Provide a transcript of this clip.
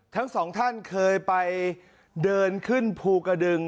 ทั้งสองท่านเคยไปเดินขึ้นภูกระดึง